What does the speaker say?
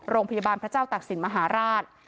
โรงพยาบาลพระเจ้าตักศิลป์มหาราช